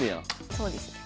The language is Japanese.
そうですね。